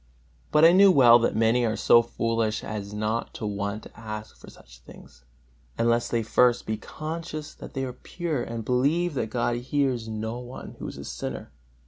But I know well that many are so foolish as not to want to ask for such things, unless they first be conscious that they are pure, and believe that God hears no one who is a sinner.